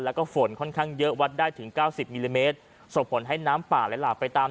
ทางเยอะวัดได้ถึง๙๐มิลลิเมตรส่งผลให้น้ำป่าและหลาบไปตาม